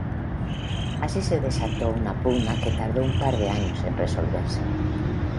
Así se desató una pugna que tardó un par de años en resolverse.